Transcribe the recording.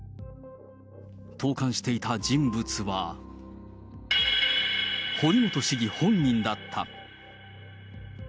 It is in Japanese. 投かんしていた人物は、堀本市議本人だった。